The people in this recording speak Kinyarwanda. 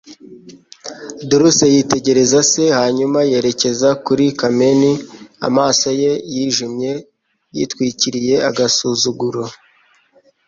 Dulce yitegereza se hanyuma yerekeza kuri Carmen, amaso ye yijimye yitwikiriye agasuzuguro.